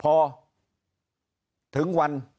เพราะสุดท้ายก็นำไปสู่การยุบสภา